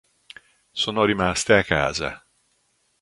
Sono rimaste a casa.